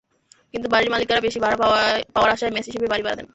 কিন্তু বাড়ির মালিকেরা বেশি ভাড়া পাওয়ার আশায় মেস হিসিবে বাড়ি ভাড়া দেন।